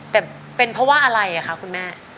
แต่เป็นเพราะว่าอะไรคะคุณแม่